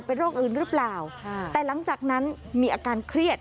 เป็นโรคอื่นหรือเปล่าแต่หลังจากนั้นมีอาการเครียด